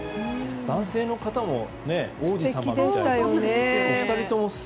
男性の方も王子様みたいで。